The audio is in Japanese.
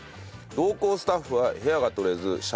同行スタッフは部屋がとれず車中泊。